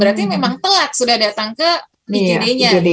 berarti memang telat sudah datang ke igd nya